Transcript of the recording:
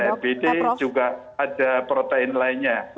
selain vaksin juga ada protein lainnya